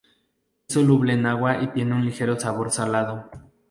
Es soluble en agua y tiene un ligero sabor salado.